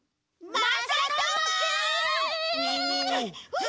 まさとも！